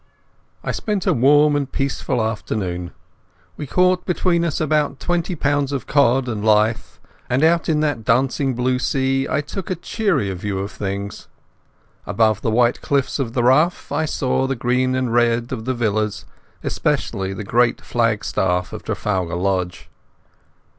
I spent a warm and peaceful afternoon. We caught between us about twenty pounds of cod and lythe, and out in that dancing blue sea I took a cheerier view of things. Above the white cliffs of the Ruff I saw the green and red of the villas, and especially the great flagstaff of Trafalgar Lodge.